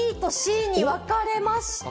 ＢとＣにわかれました。